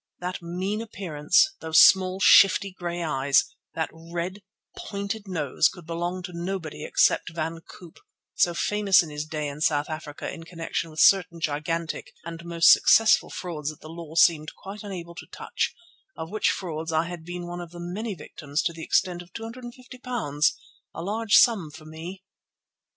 That mean appearance, those small, shifty grey eyes, that red, pointed nose could belong to nobody except Van Koop, so famous in his day in South Africa in connexion with certain gigantic and most successful frauds that the law seemed quite unable to touch, of which frauds I had been one of the many victims to the extent of £250, a large sum for me.